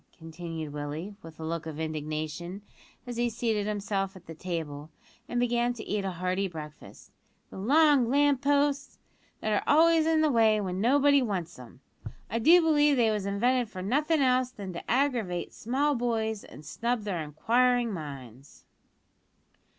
continued Willie, with a look of indignation, as he seated himself at the table, and began to eat a hearty breakfast; "the long lamp posts! that are always in the way when nobody wants 'em. I do believe they was invented for nothin' else than to aggravate small boys and snub their inquiring minds."